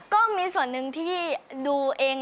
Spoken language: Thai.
ก็มีส่วนหนึ่งที่ดูเอง